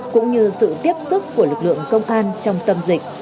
cũng như sự tiếp sức của lực lượng công an trong tâm dịch